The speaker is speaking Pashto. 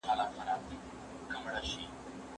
انټرنیټ د نویو څیړنو او پلټنو لپاره لاره هواروي.